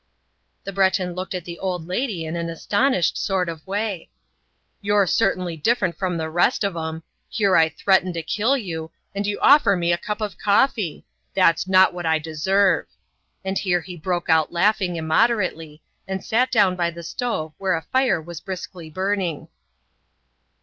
The Breton looked at the old lady in an astonished sort of way. "You're certainly different from the rest of 'em. Here I threaten to kill you, and you offer me a cup of coffee! That's not what I deserve," and here he broke out laughing immoderately, and sat down by the stove where a fire was briskly burning.